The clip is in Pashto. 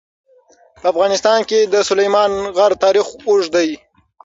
په افغانستان کې د سلیمان غر تاریخ اوږد دی.